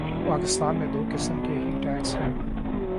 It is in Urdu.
پاکستان میں دو قسم کے ہی ٹیکس ہیں۔